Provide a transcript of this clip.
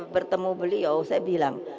bertemu beliau saya bilang